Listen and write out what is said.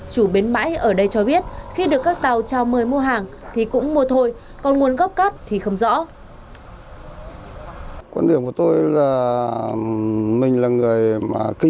chủ bến bãi ở đây cho biết khi được các tàu trao mời mua hàng thì cũng mua thôi